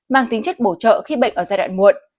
mang tính chất bổ trợ khi bệnh ở giai đoạn muộn